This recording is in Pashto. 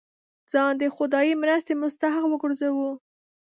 ځان د خدايي مرستې مستحق وګرځوو.